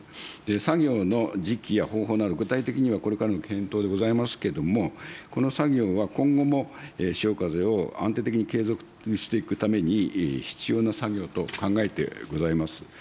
作業の時期や方法など、具体的にはこれからの検討でございますけれども、この作業は今後もしおかぜを安定的に継続していくために、必要な作業と考えてございます。